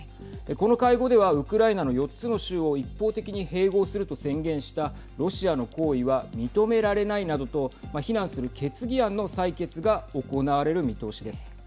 この会合ではウクライナの４つの州を一方的に併合すると宣言したロシアの行為は認められないなどと非難する決議案の採決が行われる見通しです。